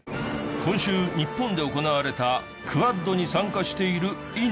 今週日本で行われたＱＵＡＤに参加しているインド。